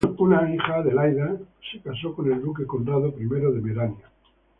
Una hija, Adelaida, que casó con el duque Conrado I de Merania.